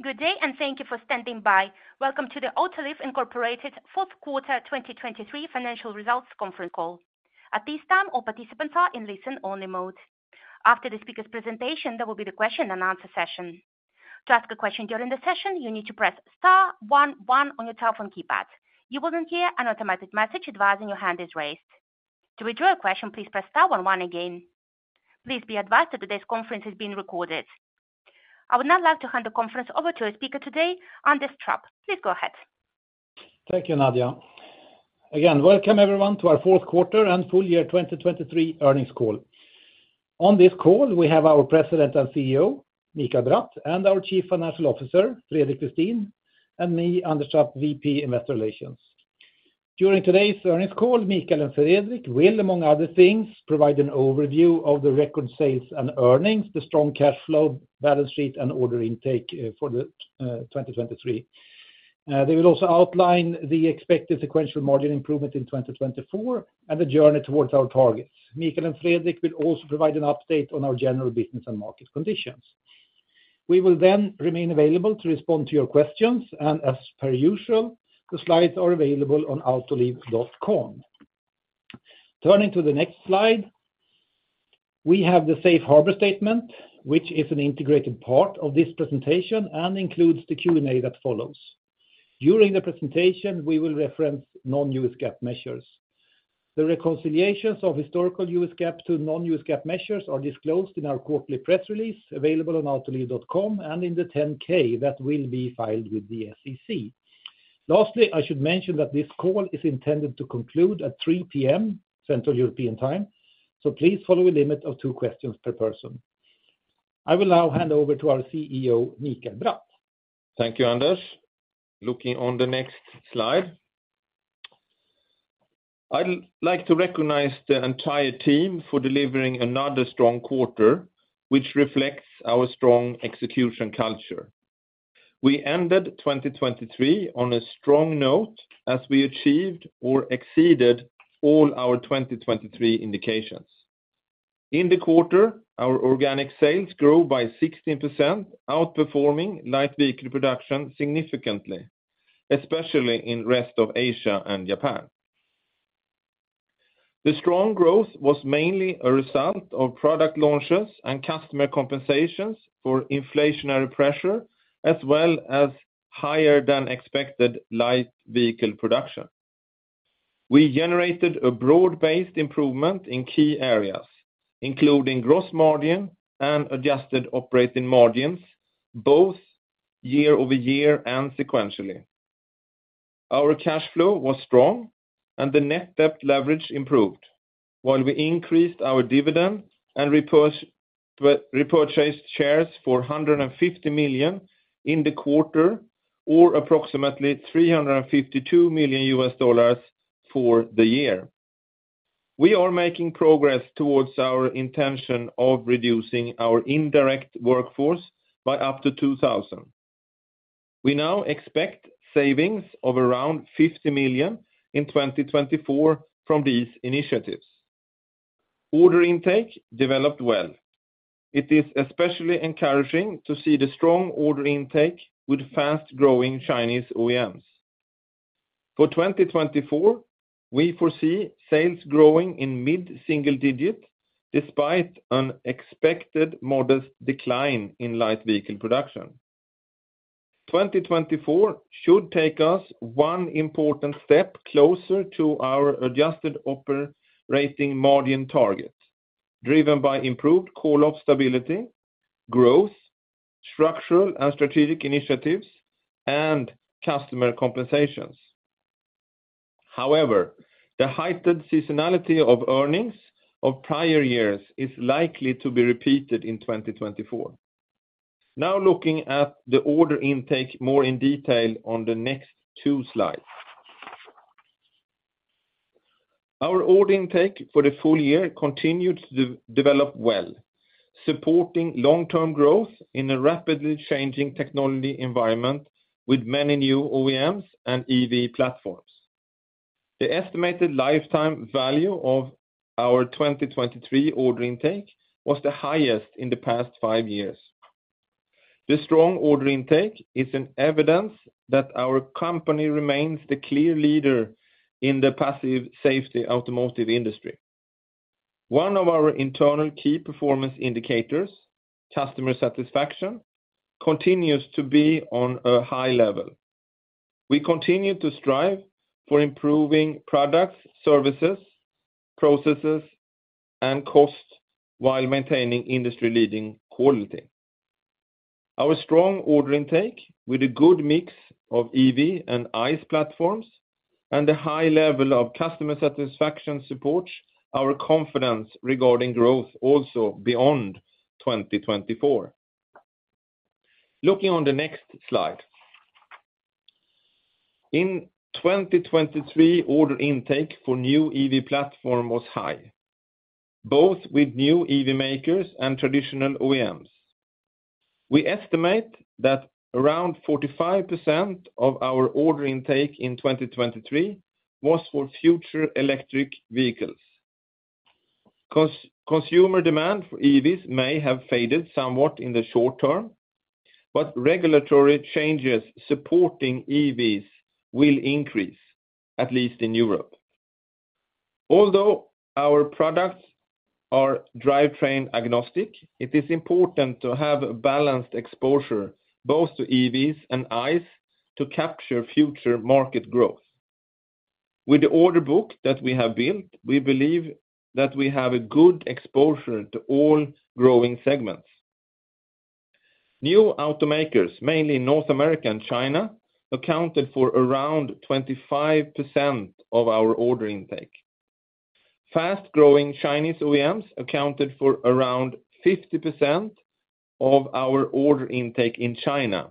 Good day and thank you for standing by. Welcome to the Autoliv Inc.'s Q4 2023 Financial Results Conference Call. At this time, all participants are in listen-only mode. After the speaker's presentation, there will be the question-and-answer session. To ask a question during the session, you need to press star one one on your telephone keypad. If you wouldn't hear an automatic message advising your hand is raised. To withdraw a question, please press star one one again. Please be advised that today's conference is being recorded. I would now like to hand the conference over to our speaker today, Anders Trapp. Please go ahead. Thank you, Nadia. Again, welcome everyone to our Q4 and full year 2023 earnings call. On this call, we have our President and CEO, Mikael Bratt, and our Chief Financial Officer, Fredrik Westin, and me, Anders Trapp, VP Investor Relations. During today's earnings call, Mikael and Fredrik Westin will, among other things, provide an overview of the record sales and earnings, the strong cash flow, balance sheet, and order intake for 2023. They will also outline the expected sequential margin improvement in 2024 and the journey towards our targets. Mikael and Fredrik Westin will also provide an update on our general business and market conditions. We will then remain available to respond to your questions, and as per usual, the slides are available on Autoliv.com. Turning to the next slide, we have the Safe Harbor Statement, which is an integrated part of this presentation and includes the Q&A that follows. During the presentation, we will reference non-U.S. GAAP measures. The reconciliations of historical U.S. GAAP to non-U.S. GAAP measures are disclosed in our quarterly press release available on autoliv.com and in the 10-K that will be filed with the SEC. Lastly, I should mention that this call is intended to conclude at 3:00 P.M. Central European Time, so please follow a limit of two questions per person. I will now hand over to our CEO, Mikael Bratt. Thank you, Anders. Looking on the next slide, I'd like to recognize the entire team for delivering another strong quarter, which reflects our strong execution culture. We ended 2023 on a strong note as we achieved or exceeded all our 2023 indications. In the quarter, our organic sales grew by 16%, outperforming light vehicle production significantly, especially in the rest of Asia and Japan. The strong growth was mainly a result of product launches and customer compensations for inflationary pressure, as well as higher-than-expected light vehicle production. We generated a broad-based improvement in key areas, including gross margin and adjusted operating margins, both year-over-year and sequentially. Our cash flow was strong, and the net debt leverage improved, while we increased our dividend and repurchased shares for $150 million in the quarter or approximately $352 million for the year. We are making progress towards our intention of reducing our indirect workforce by up to 2,000. We now expect savings of around $50 million in 2024 from these initiatives. Order intake developed well. It is especially encouraging to see the strong order intake with fast-growing Chinese OEMs. For 2024, we foresee sales growing in mid-single digit despite an expected modest decline in light vehicle production. 2024 should take us one important step closer to our adjusted operating margin target, driven by improved call-off stability, growth, structural and strategic initiatives, and customer compensations. However, the heightened seasonality of earnings of prior years is likely to be repeated in 2024. Now looking at the order intake more in detail on the next two slides, our order intake for the full year continued to develop well, supporting long-term growth in a rapidly changing technology environment with many new OEMs and EV platforms. The estimated lifetime value of our 2023 order intake was the highest in the past five years. The strong order intake is evidence that our company remains the clear leader in the passive safety automotive industry. One of our internal key performance indicators, customer satisfaction, continues to be on a high level. We continue to strive for improving products, services, processes, and costs while maintaining industry-leading quality. Our strong order intake, with a good mix of EV and ICE platforms and a high level of customer satisfaction supports our confidence regarding growth also beyond 2024. Looking on the next slide, in 2023, order intake for new EV platforms was high, both with new EV makers and traditional OEMs. We estimate that around 45% of our order intake in 2023 was for future electric vehicles. Consumer demand for EVs may have faded somewhat in the short term, but regulatory changes supporting EVs will increase, at least in Europe. Although our products are drivetrain agnostic, it is important to have balanced exposure both to EVs and ICE to capture future market growth. With the order book that we have built, we believe that we have a good exposure to all growing segments. New automakers, mainly North America and China, accounted for around 25% of our order intake. Fast-growing Chinese OEMs accounted for around 50% of our order intake in China,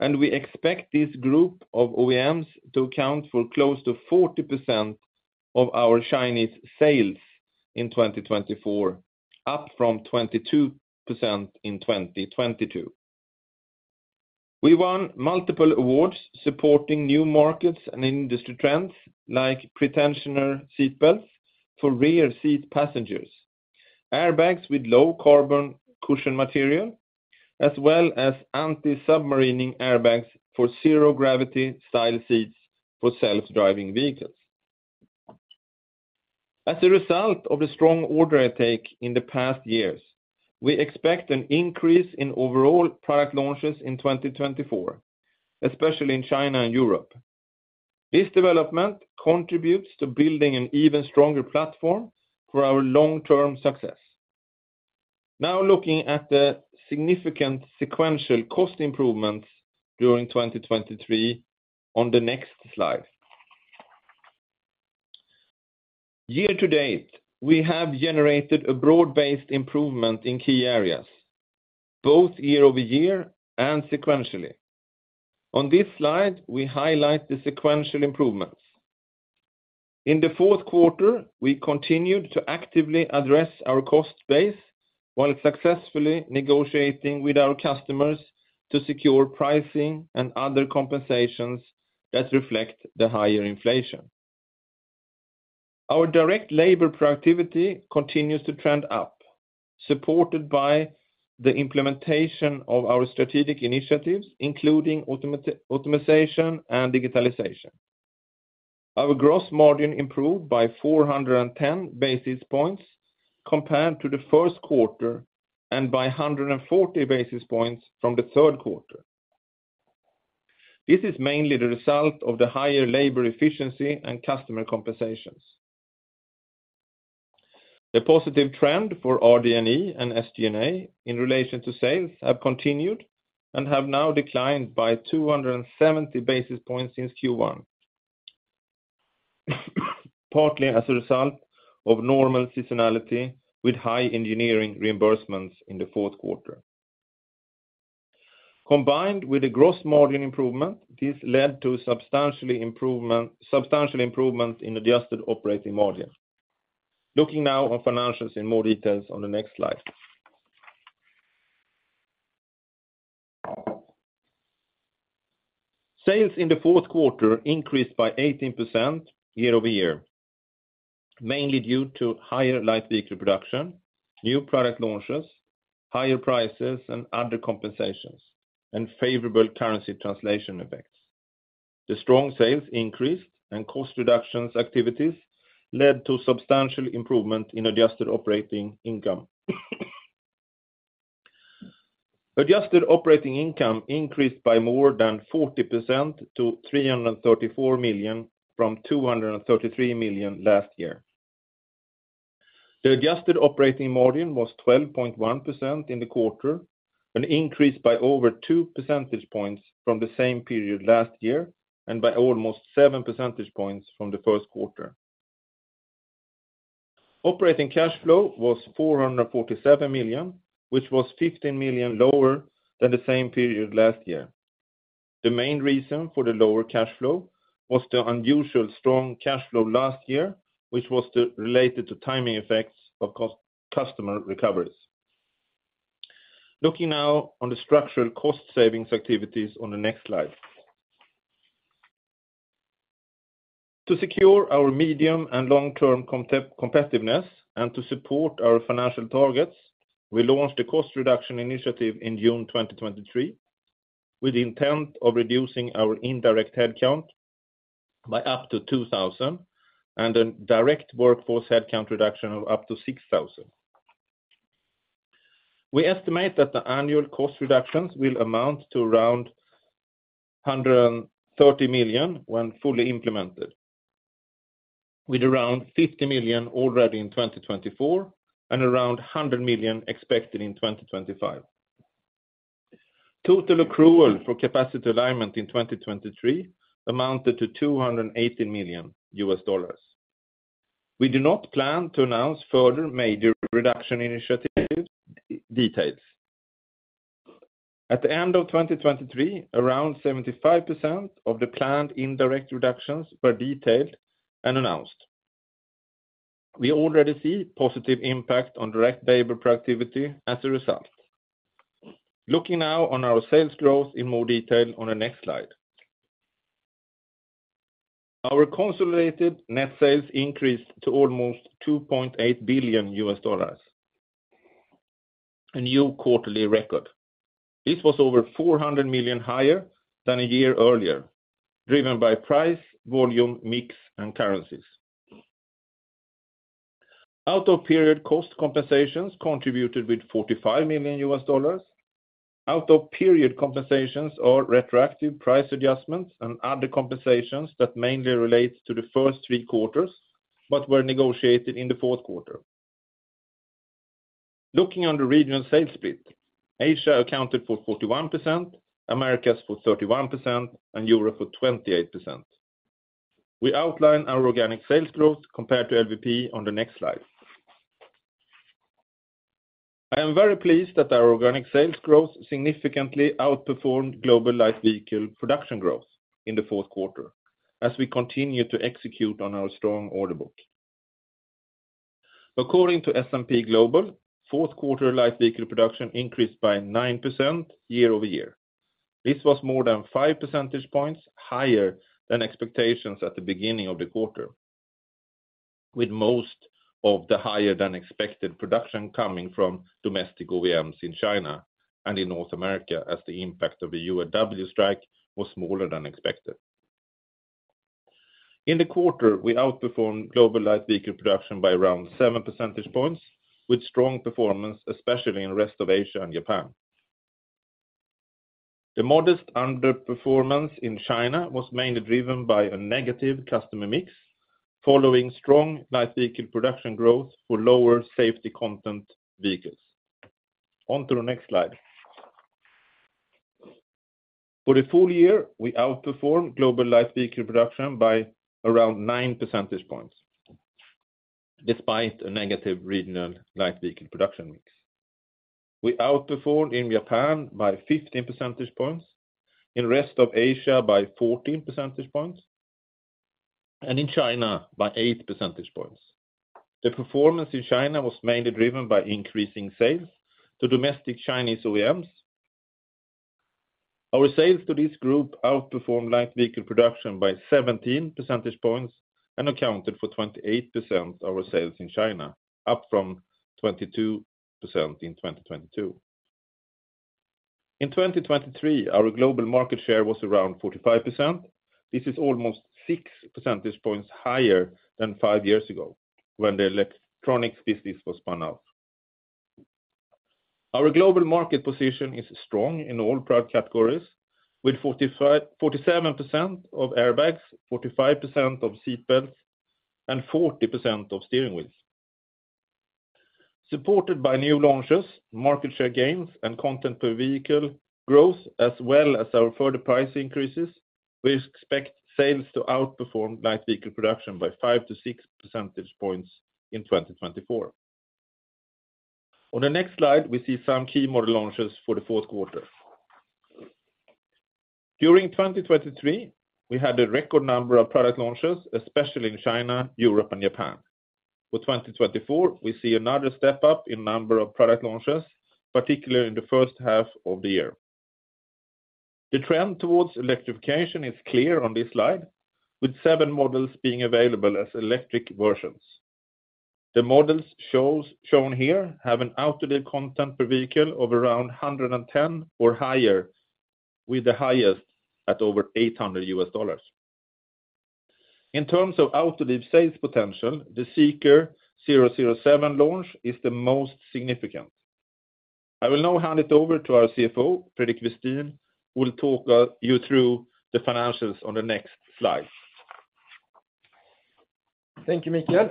and we expect this group of OEMs to account for close to 40% of our Chinese sales in 2024, up from 22% in 2022. We won multiple awards supporting new markets and industry trends, like pretensioner seatbelts for rear-seat passengers, airbags with low-carbon cushion material, as well as anti-submarining airbags for zero-gravity-style seats for self-driving vehicles. As a result of the strong order intake in the past years, we expect an increase in overall product launches in 2024, especially in China and Europe. This development contributes to building an even stronger platform for our long-term success. Now looking at the significant sequential cost improvements during 2023 on the next slide, year-to-date, we have generated a broad-based improvement in key areas, both year-over-year and sequentially. On this slide, we highlight the sequential improvements. In the Q4, we continued to actively address our cost base while successfully negotiating with our customers to secure pricing and other compensations that reflect the higher inflation. Our direct labor productivity continues to trend up, supported by the implementation of our strategic initiatives, including automation and digitalization. Our gross margin improved by 410 basis points compared to the Q1 and by 140 basis points from the Q3. This is mainly the result of the higher labor efficiency and customer compensations. The positive trend for RD&E and SG&A in relation to sales has continued and has now declined by 270 basis points since Q1, partly as a result of normal seasonality with high engineering reimbursements in the Q4. Combined with the gross margin improvement, this led to substantial improvement in adjusted operating margin. Looking now on financials in more detail on the next slide, sales in the Q4 increased by 18% year-over-year, mainly due to higher light vehicle production, new product launches, higher prices and other compensations, and favorable currency translation effects. The strong sales increase and cost reduction activities led to substantial improvement in adjusted operating income. Adjusted operating income increased by more than 40% to $334 million from $233 million last year. The adjusted operating margin was 12.1% in the quarter, an increase by over two percentage points from the same period last year and by almost seven percentage points from the Q1. Operating cash flow was $447 million, which was $15 million lower than the same period last year. The main reason for the lower cash flow was the unusual strong cash flow last year, which was related to timing effects of customer recoveries. Looking now on the structural cost savings activities on the next slide, to secure our medium- and long-term competitiveness and to support our financial targets, we launched a cost reduction initiative in June 2023 with the intent of reducing our indirect headcount by up to 2,000 and a direct workforce headcount reduction of up to 6,000. We estimate that the annual cost reductions will amount to around $130 million when fully implemented, with around $50 million already in 2024 and around $100 million expected in 2025. Total accrual for capacity alignment in 2023 amounted to $218 million. We do not plan to announce further major reduction initiative details. At the end of 2023, around 75% of the planned indirect reductions were detailed and announced. We already see positive impact on direct labor productivity as a result. Looking now on our sales growth in more detail on the next slide, our consolidated net sales increased to almost $2.8 billion, a new quarterly record. This was over $400 million higher than a year earlier, driven by price, volume, mix, and currencies. Out-of-period cost compensations contributed with $45 million. Out-of-period compensations are retroactive price adjustments and other compensations that mainly relate to the first three quarters but were negotiated in the Q4. Looking on the regional sales split, Asia accounted for 41%, America for 31%, and Europe for 28%. We outline our organic sales growth compared to LVP on the next slide. I am very pleased that our organic sales growth significantly outperformed global light vehicle production growth in the Q4 as we continue to execute on our strong order book. According to S&P Global, Q4 light vehicle production increased by 9% year-over-year. This was more than five percentage points higher than expectations at the beginning of the quarter, with most of the higher-than-expected production coming from domestic OEMs in China and in North America as the impact of the UAW strike was smaller than expected. In the quarter, we outperformed global light vehicle production by around seven percentage points, with strong performance especially in the rest of Asia and Japan. The modest underperformance in China was mainly driven by a negative customer mix, following strong light vehicle production growth for lower safety content vehicles. On to the next slide. For the full year, we outperformed global light vehicle production by around nine percentage points despite a negative regional light vehicle production mix. We outperformed in Japan by 15 percentage points, in the rest of Asia by 14 percentage points, and in China by eight percentage points. The performance in China was mainly driven by increasing sales to domestic Chinese OEMs. Our sales to this group outperformed light vehicle production by 17 percentage points and accounted for 28% of our sales in China, up from 22% in 2022. In 2023, our global market share was around 45%. This is almost six percentage points higher than five years ago when the electronics business was spun out. Our global market position is strong in all product categories, with 47% of airbags, 45% of seatbelts, and 40% of steering wheels. Supported by new launches, market share gains, and content per vehicle growth, as well as our further price increases, we expect sales to outperform light vehicle production by five to six percentage points in 2024. On the next slide, we see some key model launches for the Q4. During 2023, we had a record number of product launches, especially in China, Europe, and Japan. For 2024, we see another step up in the number of product launches, particularly in the first half of the year. The trend towards electrification is clear on this slide, with seven models being available as electric versions. The models shown here have an Autoliv content per vehicle of around $110 or higher, with the highest at over $800. In terms of Autoliv sales potential, the Zeekr 007 launch is the most significant. I will now hand it over to our CFO, Fredrik Westin, who will talk you through the financials on the next slide. Thank you, Mikael.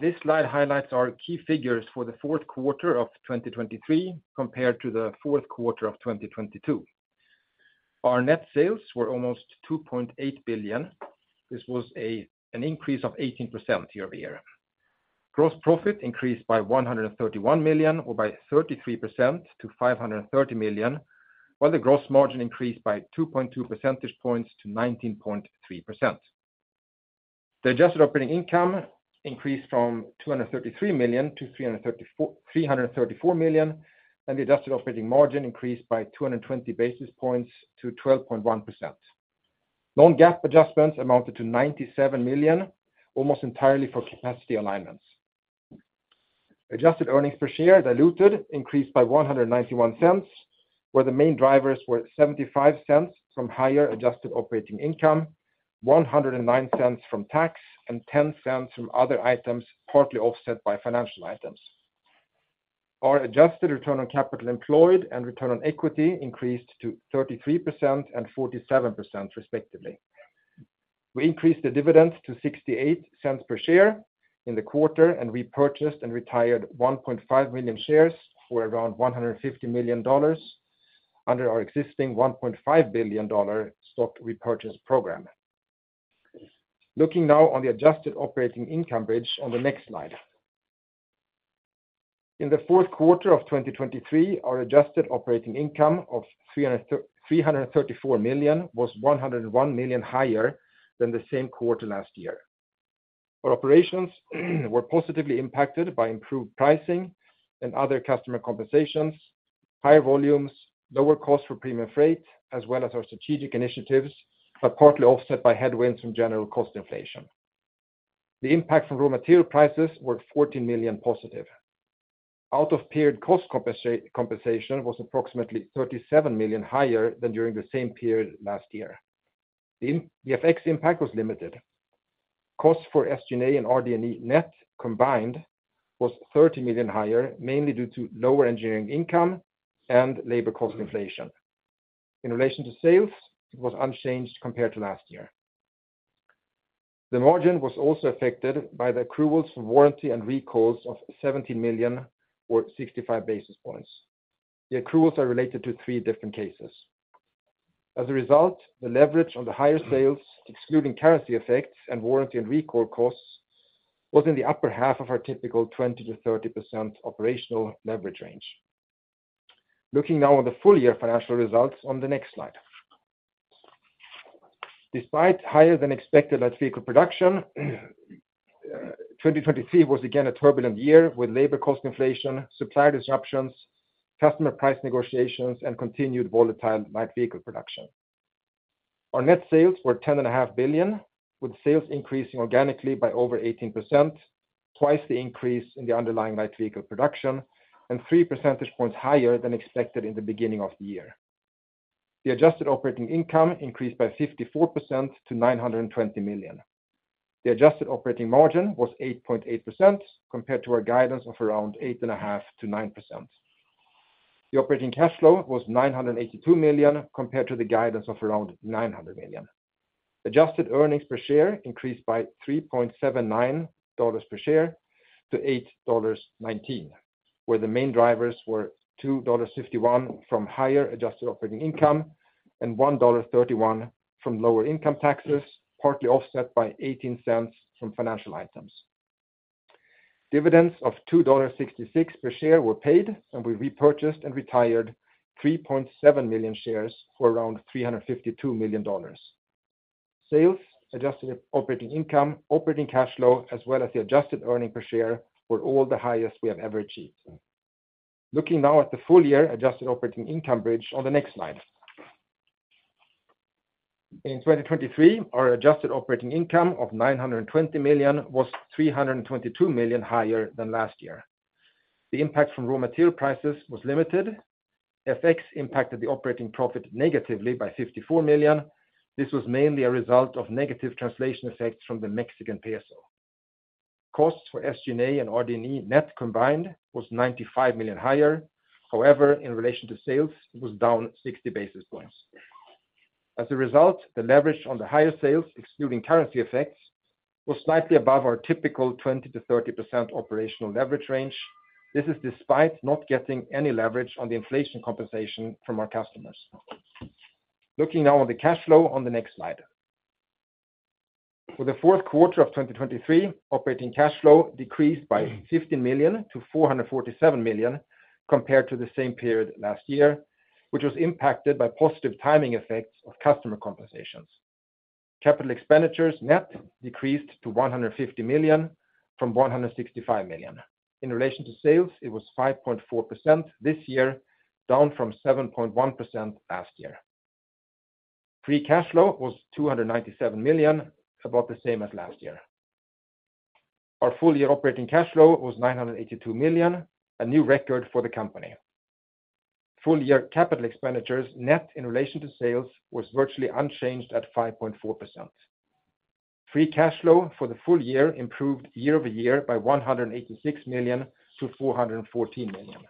This slide highlights our key figures for the Q4 of 2023 compared to the Q4 of 2022. Our net sales were almost $2.8 billion. This was an increase of 18% year-over-year. Gross profit increased by $131 million or by 33% to $530 million, while the gross margin increased by 2.2 percentage points to 19.3%. The adjusted operating income increased from $233 million to $334 million, and the adjusted operating margin increased by 220 basis points to 12.1%. Non-GAAP adjustments amounted to $97 million, almost entirely for capacity alignments. Adjusted earnings per share, diluted, increased by $0.191, where the main drivers were $0.75 from higher adjusted operating income, $0.109 from tax, and $0.10 from other items partly offset by financial items. Our adjusted return on capital employed and return on equity increased to 33% and 47% respectively. We increased the dividend to $0.68 per share in the quarter and repurchased and retired 1.5 million shares for around $150 million under our existing $1.5 billion stock repurchase program. Looking now on the adjusted operating income bridge on the next slide, in the Q4 of 2023, our adjusted operating income of $334 million was $101 million higher than the same quarter last year. Our operations were positively impacted by improved pricing and other customer compensations, higher volumes, lower costs for premium freight, as well as our strategic initiatives, but partly offset by headwinds from general cost inflation. The impact from raw material prices was $14 million positive. Out-of-period cost compensation was approximately $37 million higher than during the same period last year. The FX impact was limited. Costs for SG&A and RD&E net combined were $30 million higher, mainly due to lower engineering income and labor cost inflation. In relation to sales, it was unchanged compared to last year. The margin was also affected by the accruals from warranty and recalls of $17 million or 65 basis points. The accruals are related to three different cases. As a result, the leverage on the higher sales, excluding currency effects and warranty and recall costs, was in the upper half of our typical 20%-30% operational leverage range. Looking now on the full-year financial results on the next slide, despite higher-than-expected light vehicle production, 2023 was again a turbulent year with labor cost inflation, supply disruptions, customer price negotiations, and continued volatile light vehicle production. Our net sales were $10.5 billion, with sales increasing organically by over 18%, twice the increase in the underlying light vehicle production, and three percentage points higher than expected in the beginning of the year. The adjusted operating income increased by 54% to $920 million. The adjusted operating margin was 8.8% compared to our guidance of around 8.5%-9%. The operating cash flow was $982 million compared to the guidance of around $900 million. Adjusted earnings per share increased by $3.79 per share to $8.19, where the main drivers were $2.51 from higher adjusted operating income and $1.31 from lower income taxes, partly offset by $0.18 from financial items. Dividends of $2.66 per share were paid, and we repurchased and retired 3.7 million shares for around $352 million. Sales, adjusted operating income, operating cash flow, as well as the adjusted earnings per share were all the highest we have ever achieved. Looking now at the full-year adjusted operating income bridge on the next slide, in 2023, our adjusted operating income of $920 million was $322 million higher than last year. The impact from raw material prices was limited. FX impacted the operating profit negatively by $54 million. This was mainly a result of negative translation effects from the Mexican peso. Costs for SG&A and RD&E net combined were $95 million higher. However, in relation to sales, it was down 60 basis points. As a result, the leverage on the higher sales, excluding currency effects, was slightly above our typical 20%-30% operational leverage range. This is despite not getting any leverage on the inflation compensation from our customers. Looking now on the cash flow on the next slide, for the Q4 of 2023, operating cash flow decreased by $15 million to $447 million compared to the same period last year, which was impacted by positive timing effects of customer compensations. Capital expenditures net decreased to $150 million from $165 million. In relation to sales, it was 5.4% this year, down from 7.1% last year. Free cash flow was $297 million, about the same as last year. Our full-year operating cash flow was $982 million, a new record for the company. Full-year capital expenditures net in relation to sales were virtually unchanged at 5.4%. Free cash flow for the full year improved year-over-year by $186 million to $414 million.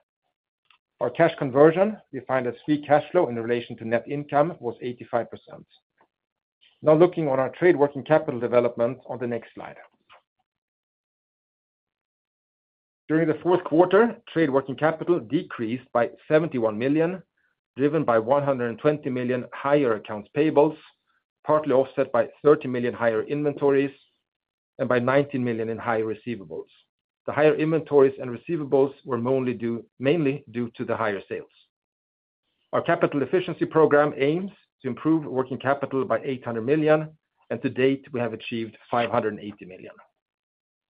Our cash conversion, defined as free cash flow in relation to net income, was 85%. Now looking on our trade working capital development on the next slide, during the Q4, trade working capital decreased by $71 million, driven by $120 million higher accounts payables, partly offset by $30 million higher inventories, and by $19 million in higher receivables. The higher inventories and receivables were mainly due to the higher sales. Our capital efficiency program aims to improve working capital by $800 million, and to date, we have achieved $580 million.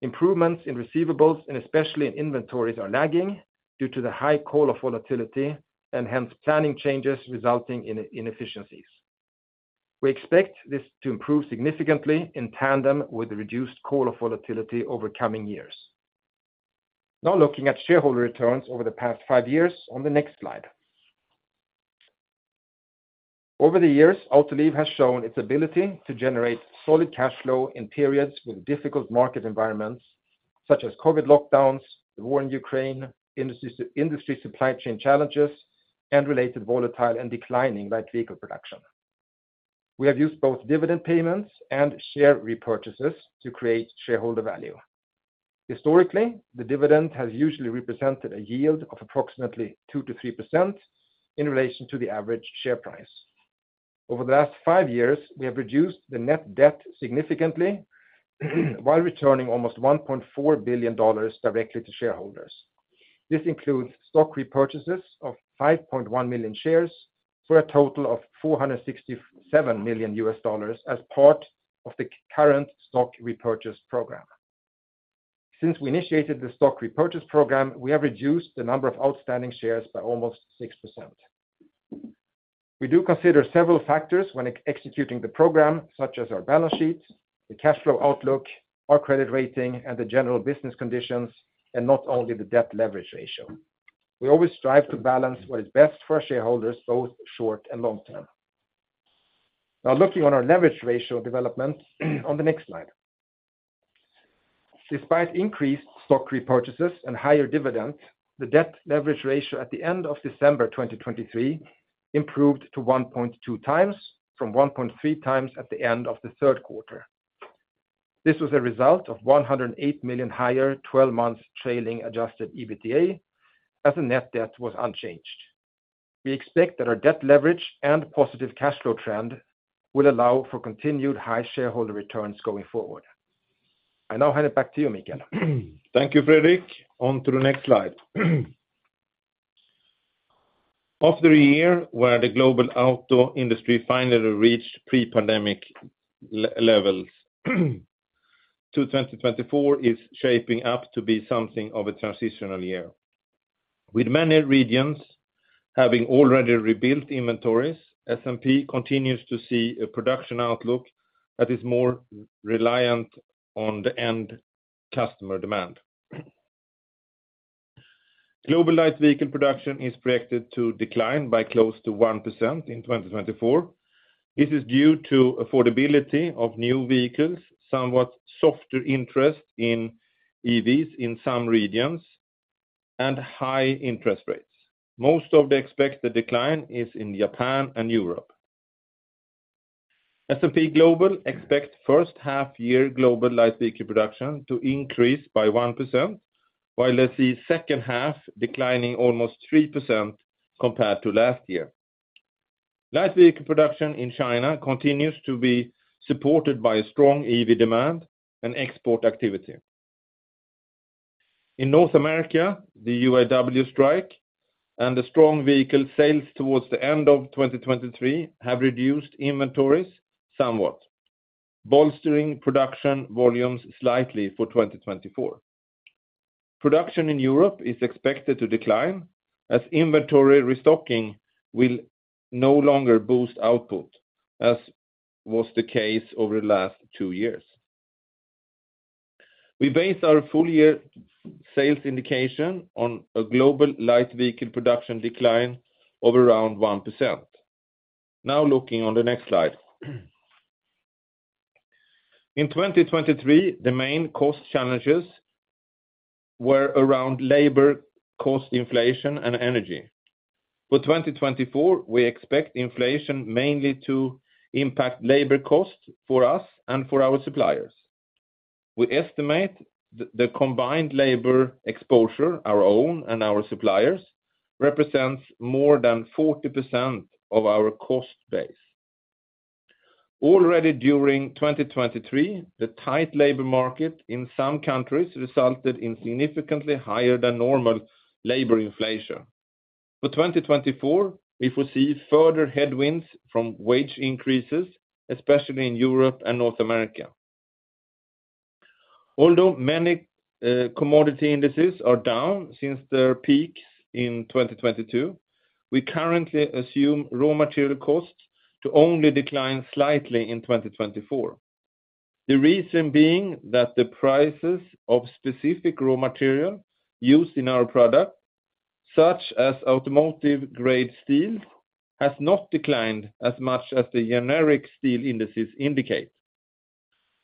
Improvements in receivables, and especially in inventories, are lagging due to the high call-off volatility and hence planning changes resulting in inefficiencies. We expect this to improve significantly in tandem with reduced call-off volatility over coming years. Now looking at shareholder returns over the past five years on the next slide, over the years, Autoliv has shown its ability to generate solid cash flow in periods with difficult market environments such as COVID lockdowns, the war in Ukraine, industry supply chain challenges, and related volatile and declining light vehicle production. We have used both dividend payments and share repurchases to create shareholder value. Historically, the dividend has usually represented a yield of approximately 2%-3% in relation to the average share price. Over the last five years, we have reduced the net debt significantly while returning almost $1.4 billion directly to shareholders. This includes stock repurchases of 5.1 million shares for a total of $467 million as part of the current stock repurchase program. Since we initiated the stock repurchase program, we have reduced the number of outstanding shares by almost 6%. We do consider several factors when executing the program, such as our balance sheet, the cash flow outlook, our credit rating, and the general business conditions, and not only the debt leverage ratio. We always strive to balance what is best for our shareholders, both short and long term. Now looking on our leverage ratio development on the next slide, despite increased stock repurchases and higher dividends, the debt leverage ratio at the end of December 2023 improved to 1.2x from 1.3x at the end of the Q3. This was a result of $108 million higher 12-month trailing Adjusted EBITDA, as the net debt was unchanged. We expect that our debt leverage and positive cash flow trend will allow for continued high shareholder returns going forward. I now hand it back to you, Mikael. Thank you, Fredrik. On to the next slide. After a year where the global auto industry finally reached pre-pandemic levels, 2024 is shaping up to be something of a transitional year. With many regions having already rebuilt inventories, S&P continues to see a production outlook that is more reliant on the end customer demand. Global light vehicle production is projected to decline by close to 1% in 2024. This is due to affordability of new vehicles, somewhat softer interest in EVs in some regions, and high interest rates. Most of the expected decline is in Japan and Europe. S&P Global expects first-half-year global light vehicle production to increase by 1%, while let's see second-half declining almost 3% compared to last year. Light vehicle production in China continues to be supported by strong EV demand and export activity. In North America, the UAW strike and the strong vehicle sales towards the end of 2023 have reduced inventories somewhat, bolstering production volumes slightly for 2024. Production in Europe is expected to decline, as inventory restocking will no longer boost output, as was the case over the last two years. We base our full-year sales indication on a global light vehicle production decline of around 1%. Now looking on the next slide, in 2023, the main cost challenges were around labor cost inflation and energy. For 2024, we expect inflation mainly to impact labor costs for us and for our suppliers. We estimate that the combined labor exposure, our own and our suppliers, represents more than 40% of our cost base. Already during 2023, the tight labor market in some countries resulted in significantly higher-than-normal labor inflation. For 2024, we foresee further headwinds from wage increases, especially in Europe and North America. Although many commodity indices are down since their peaks in 2022, we currently assume raw material costs to only decline slightly in 2024. The reason being that the prices of specific raw material used in our product, such as automotive-grade steel, have not declined as much as the generic steel indices indicate.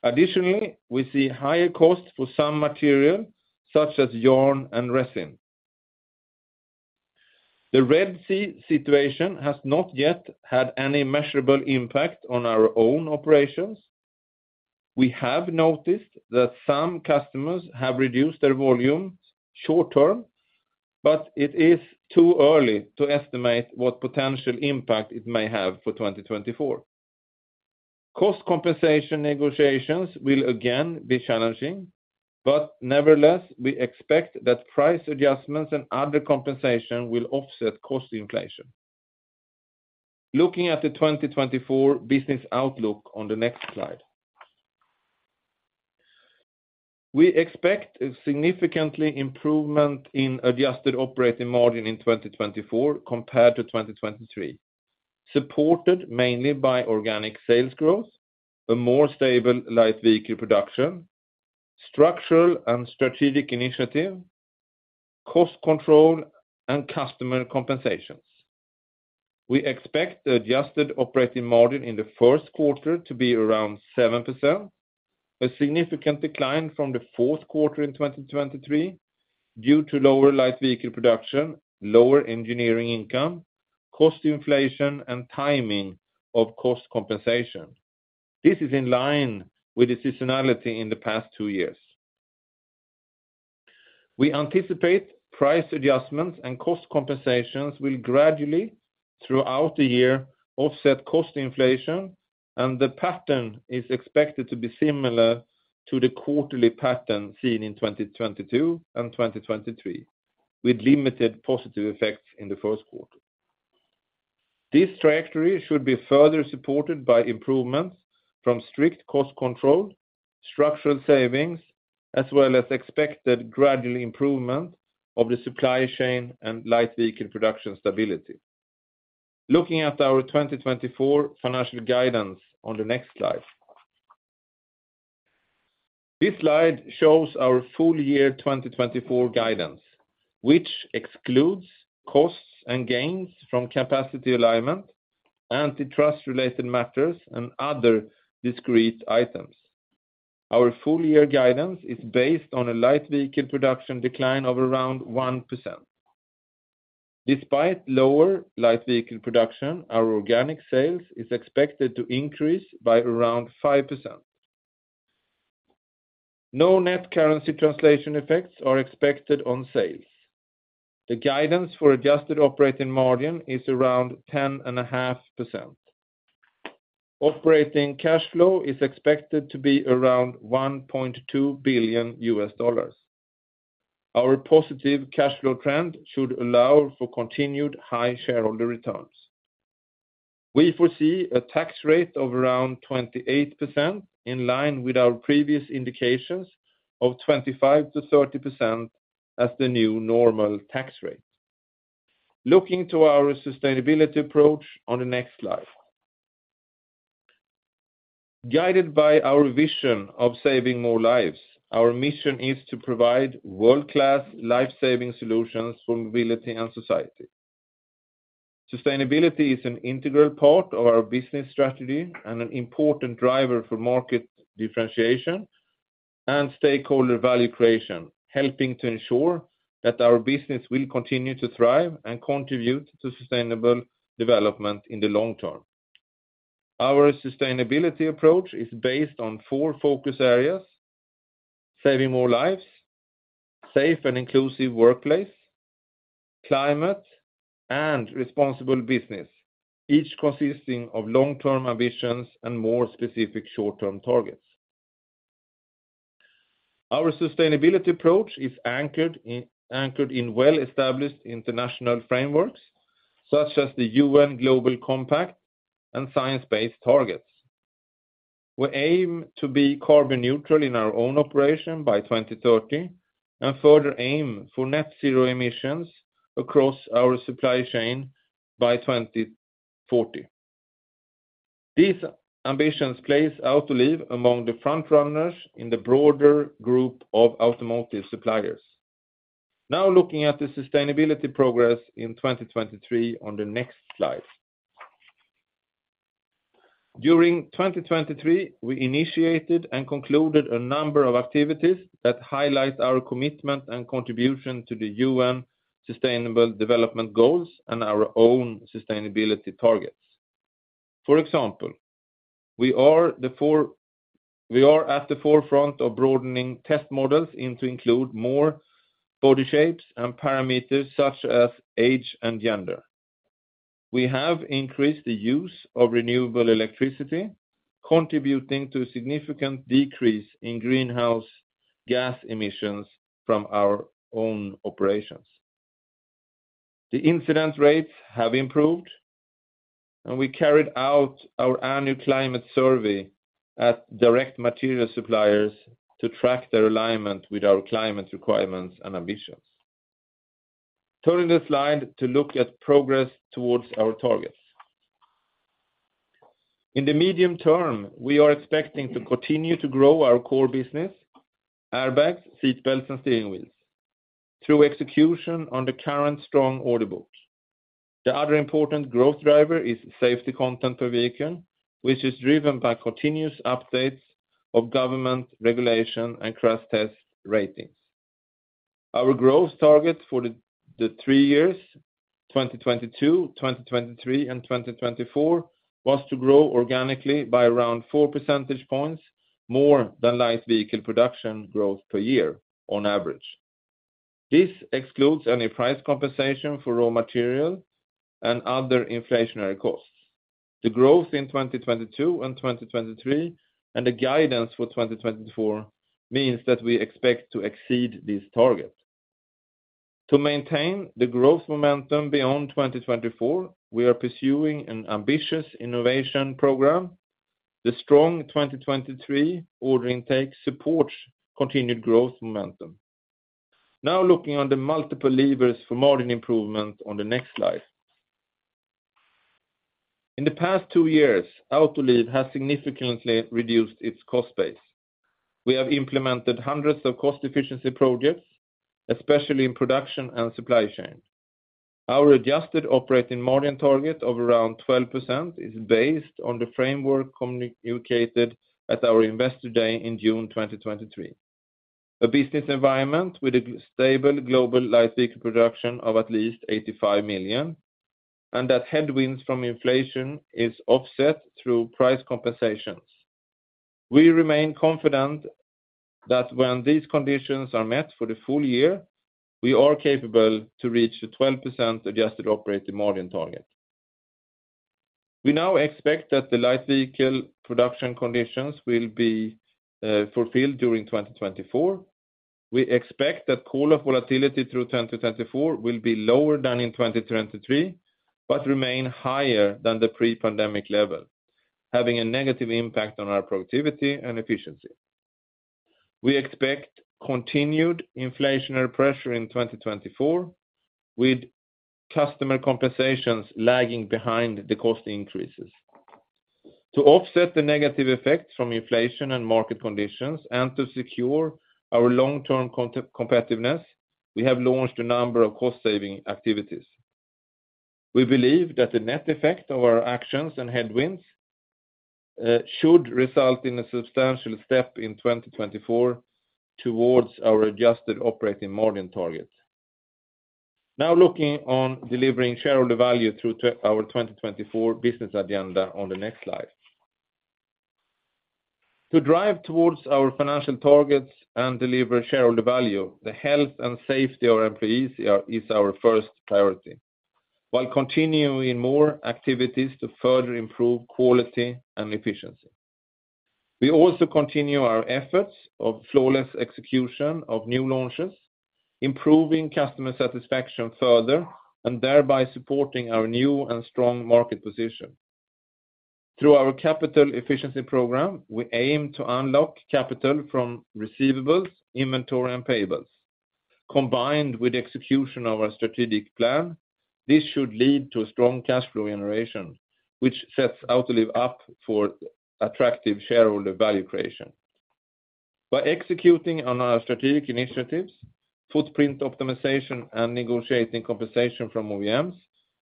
Additionally, we see higher costs for some material, such as yarn and resin. The Red Sea situation has not yet had any measurable impact on our own operations. We have noticed that some customers have reduced their volumes short term, but it is too early to estimate what potential impact it may have for 2024. Cost compensation negotiations will again be challenging, but nevertheless, we expect that price adjustments and other compensation will offset cost inflation. Looking at the 2024 business outlook on the next slide, we expect a significant improvement in adjusted operating margin in 2024 compared to 2023, supported mainly by organic sales growth, a more stable light vehicle production, structural and strategic initiatives, cost control, and customer compensations. We expect the adjusted operating margin in the Q1 to be around 7%, a significant decline from the Q4 in 2023 due to lower light vehicle production, lower engineering income, cost inflation, and timing of cost compensation. This is in line with the seasonality in the past two years. We anticipate price adjustments and cost compensations will gradually, throughout the year, offset cost inflation, and the pattern is expected to be similar to the quarterly pattern seen in 2022 and 2023, with limited positive effects in the Q1. This trajectory should be further supported by improvement from strict cost control, structural savings, as well as expected gradual improvement of the supply chain and light vehicle production stability. Looking at our 2024 financial guidance on the next slide, this slide shows our full-year 2024 guidance, which excludes costs and gains from capacity alignment, antitrust-related matters, and other discrete items. Our full-year guidance is based on a light vehicle production decline of around 1%. Despite lower light vehicle production, our organic sales are expected to increase by around 5%. No net currency translation effects are expected on sales. The guidance for adjusted operating margin is around 10.5%. Operating cash flow is expected to be around $1.2 billion. Our positive cash flow trend should allow for continued high shareholder returns. We foresee a tax rate of around 28%, in line with our previous indications of 25%-30% as the new normal tax rate. Looking to our sustainability approach on the next slide, guided by our vision of saving more lives, our mission is to provide world-class life-saving solutions for mobility and society. Sustainability is an integral part of our business strategy and an important driver for market differentiation and stakeholder value creation, helping to ensure that our business will continue to thrive and contribute to sustainable development in the long term. Our sustainability approach is based on four focus areas; saving more lives, a safe and inclusive workplace, climate, and responsible business, each consisting of long-term ambitions and more specific short-term targets. Our sustainability approach is anchored in well-established international frameworks such as the UN Global Compact and Science Based Targets. We aim to be carbon neutral in our own operation by 2030 and further aim for net-zero emissions across our supply chain by 2040. These ambitions place Autoliv among the frontrunners in the broader group of automotive suppliers. Now looking at the sustainability progress in 2023 on the next slide, during 2023, we initiated and concluded a number of activities that highlight our commitment and contribution to the UN Sustainable Development Goals and our own sustainability targets. For example, we are at the forefront of broadening test models to include more body shapes and parameters such as age and gender. We have increased the use of renewable electricity, contributing to a significant decrease in greenhouse gas emissions from our own operations. The incident rates have improved, and we carried out our annual climate survey at direct material suppliers to track their alignment with our climate requirements and ambitions. Turning the slide to look at progress towards our targets, in the medium term, we are expecting to continue to grow our core business: airbags, seat belts, and steering wheels, through execution on the current strong order books. The other important growth driver is safety content per vehicle, which is driven by continuous updates of government regulation and crash test rating. Our growth target for the three years 2022, 2023, and 2024 was to grow organically by around four percentage points more than light vehicle production growth per year on average. This excludes any price compensation for raw material and other inflationary costs. The growth in 2022 and 2023, and the guidance for 2024, means that we expect to exceed these targets. To maintain the growth momentum beyond 2024, we are pursuing an ambitious innovation program. The strong 2023 order intake supports continued growth momentum. Now looking on the multiple levers for margin improvement on the next slide, in the past two years, Autoliv has significantly reduced its cost base. We have implemented hundreds of cost efficiency projects, especially in production and supply chain. Our adjusted operating margin target of around 12% is based on the framework communicated at our Investor Day in June 2023; a business environment with a stable global light vehicle production of at least 85 million, and that headwinds from inflation are offset through price compensations. We remain confident that when these conditions are met for the full year, we are capable to reach the 12% adjusted operating margin target. We now expect that the light vehicle production conditions will be fulfilled during 2024. We expect that call-off volatility through 2024 will be lower than in 2023 but remain higher than the pre-pandemic level, having a negative impact on our productivity and efficiency. We expect continued inflationary pressure in 2024, with customer compensations lagging behind the cost increases. To offset the negative effects from inflation and market conditions and to secure our long-term competitiveness, we have launched a number of cost-saving activities. We believe that the net effect of our actions and headwinds should result in a substantial step in 2024 towards our adjusted operating margin target. Now looking on delivering shareholder value through our 2024 business agenda on the next slide, to drive towards our financial targets and deliver shareholder value, the health and safety of our employees is our first priority, while continuing more activities to further improve quality and efficiency. We also continue our efforts of flawless execution of new launches, improving customer satisfaction further, and thereby supporting our new and strong market position. Through our capital efficiency program, we aim to unlock capital from receivables, inventory, and payables. Combined with the execution of our strategic plan, this should lead to a strong cash flow generation, which sets Autoliv up for attractive shareholder value creation. By executing on our strategic initiatives, footprint optimization, and negotiating compensation from OEMs,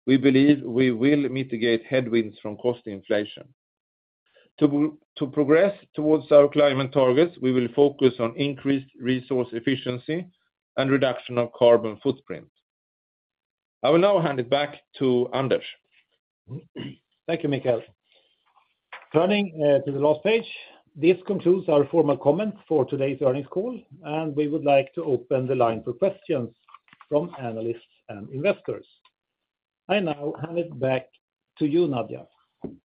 we believe we will mitigate headwinds from cost inflation. To progress towards our climate targets, we will focus on increased resource efficiency and reduction of carbon footprint. I will now hand it back to Anders. Thank you, Mikael. Turning to the last page, this concludes our formal comment for today's earnings call, and we would like to open the line for questions from analysts and investors. I now hand it back to you, Nadia.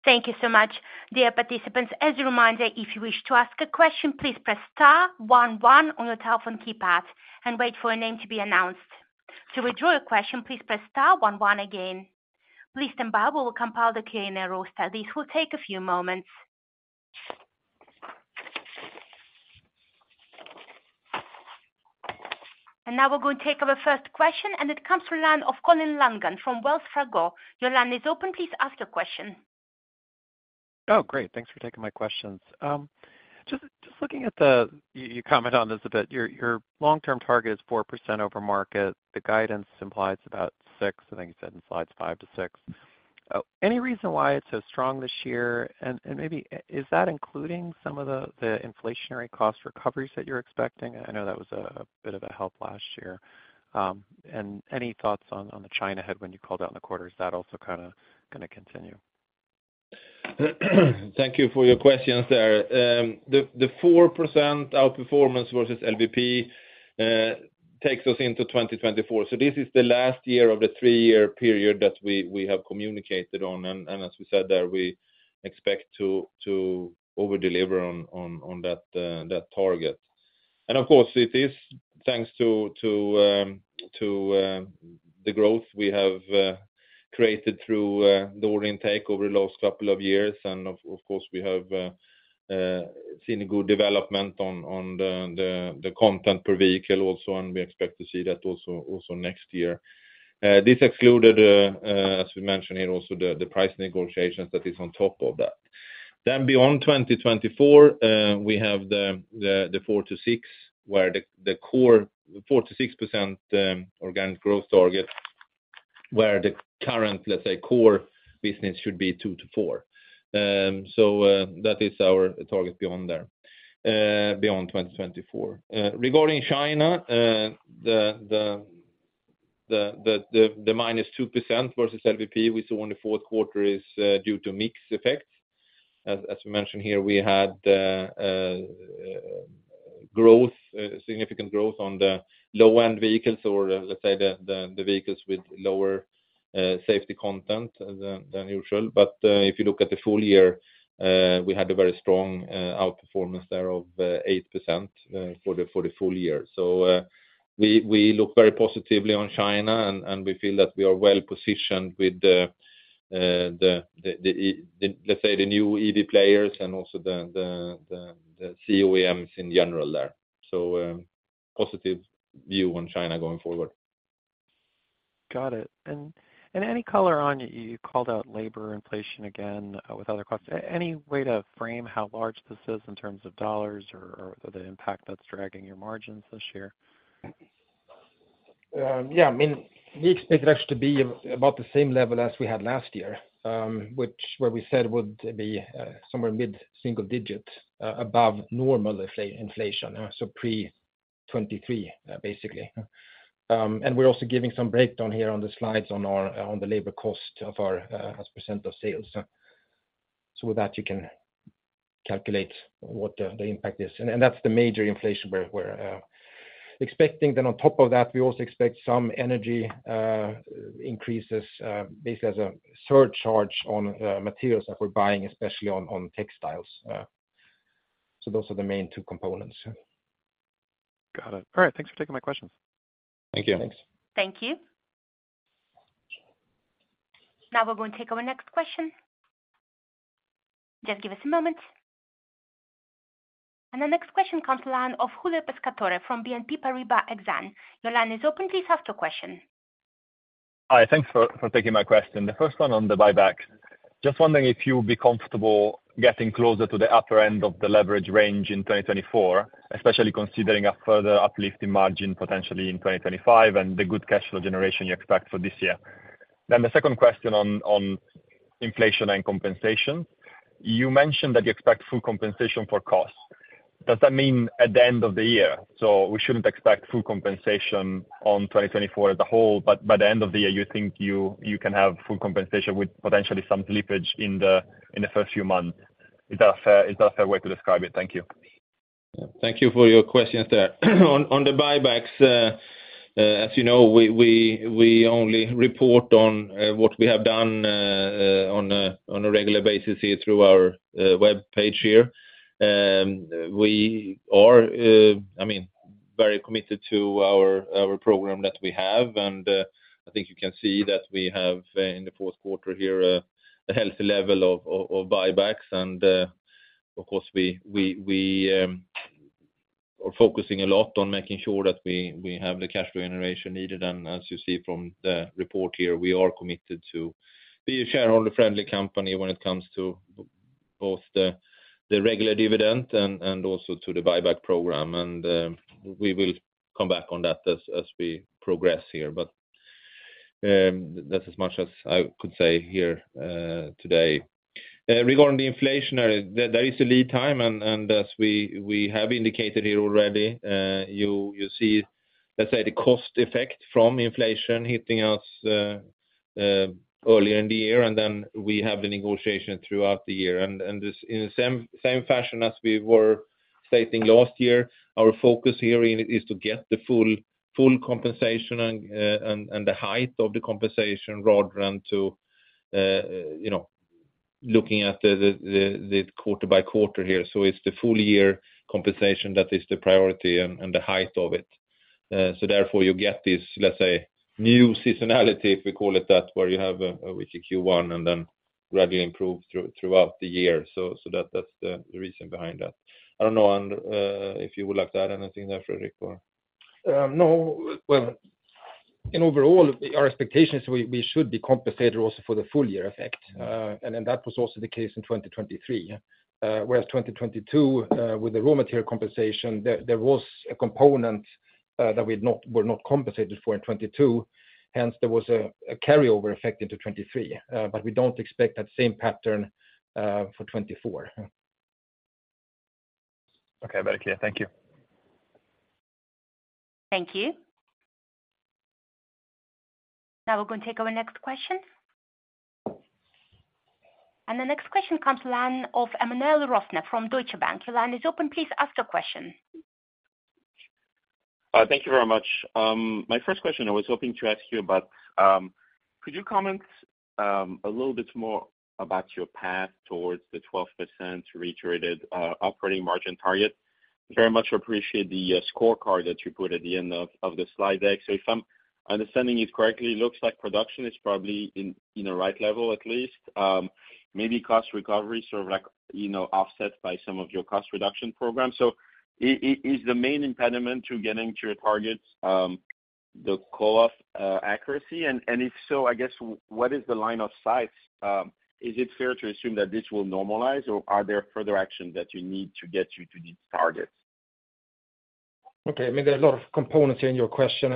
Thank you so much. Dear participants, as a reminder, if you wish to ask a question, please press star one one on your telephone keypad and wait for a name to be announced. To withdraw your question, please press star one one again. Listen both, we will compile the Q&A roster. This will take a few moments. And now we're going to take our first question, and it comes from the line of Colin Langan from Wells Fargo. Your line is open, please ask your question. Oh, great. Thanks for taking my questions. Just looking at the, you comment on this a bit. Your long-term target is 4% over market. The guidance implies about 6%, I think you said in slides five to six. Any reason why it's so strong this year? And maybe, is that including some of the inflationary cost recoveries that you're expecting? I know that was a bit of a help last year. And any thoughts on the China headwind you called out in the quarters? Is that also kind of going to continue? Thank you for your questions there. The 4% outperformance versus LVP takes us into 2024. So this is the last year of the 3-year period that we have communicated on, and as we said there, we expect to overdeliver on that target. Of course, it is thanks to the growth we have created through the order intake over the last couple of years, and of course, we have seen a good development on the content per vehicle also, and we expect to see that also next year. This excluded, as we mentioned here, also the price negotiations that is on top of that. Then beyond 2024, we have the 4%-6%, where the core 4%-6% organic growth target, where the current, let's say, core business should be 2%-4%. So, that is our target beyond there, beyond 2024. Regarding China, the -2% versus LVP we saw in the Q4 is due to mixed effects. As we mentioned here, we had significant growth on the low-end vehicles, or let's say the vehicles with lower safety content than usual. But if you look at the full year, we had a very strong outperformance there of 8% for the full year. So we look very positively on China, and we feel that we are well positioned with the, let's say, the new EV players and also the OEMs in general there. So, positive view on China going forward. Got it. And any color on you? You called out labor inflation again with other questions. Any way to frame how large this is in terms of dollars or the impact that's dragging your margins this year? Yeah, I mean, we expect it actually to be about the same level as we had last year, which, where we said would be somewhere mid-single digit above normal inflation, so pre-2023, basically. We're also giving some breakdown here on the slides on our labor cost as percent of sales. So with that, you can calculate what the impact is. And that's the major inflation we're expecting. Then on top of that, we also expect some energy increases, basically as a surcharge on materials that we're buying, especially on textiles. So those are the main two components. Got it. All right. Thanks for taking my questions. Thank you. Thanks. Thank you. Now we're going to take our next question. Just give us a moment. The next question comes to the line of Giulio Pescatore from BNP Paribas Exane. Your line is open, please ask your question. Hi, thanks for taking my question. The first one on the buyback. Just wondering if you'd be comfortable getting closer to the upper end of the leverage range in 2024, especially considering a further uplift in margin potentially in 2025 and the good cash flow generation you expect for this year. Then the second question on inflation and compensation. You mentioned that you expect full compensation for costs. Does that mean at the end of the year? So we shouldn't expect full compensation on 2024 as a whole, but by the end of the year, you think you can have full compensation with potentially some slippage in the first few months. Is that a fair way to describe it? Thank you. Thank you for your questions there. On the buybacks, as you know, we only report on what we have done on a regular basis here through our web page here. We are, I mean, very committed to our program that we have, and I think you can see that we have in the Q4 here a healthy level of buybacks, and of course we are focusing a lot on making sure that we have the cash flow generation needed, and as you see from the report here, we are committed to be a shareholder-friendly company when it comes to both the regular dividend and also to the buyback program, and we will come back on that as we progress here, but that's as much as I could say here today. Regarding the inflationary, there is a lead time, and as we have indicated here already, you see, let's say, the cost effect from inflation hitting us earlier in the year, and then we have the negotiation throughout the year, and in the same fashion as we were stating last year, our focus here is to get the full compensation and the height of the compensation rather than to, you know, looking at the quarter by quarter here. So it's the full year compensation that is the priority and the height of it. So therefore you get this, let's say, new seasonality, if we call it that, where you have a weak Q1 and then gradually improve throughout the year. So that, that's the reason behind that. I don't know, and if you would like to add anything there, Fredrik, or? No, well, in overall, our expectation is we, we should be compensated also for the full year effect. And that was also the case in 2023. Whereas 2022, with the raw material compensation, there, there was a component that we'd not, were not compensated for in 2022. Hence, there was a carryover effect into 2023. But we don't expect that same pattern for 2024. Okay, very clear. Thank you. Thank you. Now we're going to take our next question. And the next question comes to the line of Emmanuel Rosner from Deutsche Bank. Your line is open, please ask your question. Thank you very much. My first question, I was hoping to ask you about. Could you comment a little bit more about your path towards the 12% targeted operating margin target? Very much appreciate the scorecard that you put at the end of the slide deck. So if I'm understanding you correctly, it looks like production is probably in a right level, at least. Maybe cost recovery sort of like, you know, offset by some of your cost reduction programs. So it is the main impediment to getting to your targets, the call-off accuracy? And if so, I guess, what is the line of sights? Is it fair to assume that this will normalize, or are there further actions that you need to get you to the target? Okay, I mean, there are a lot of components in your question.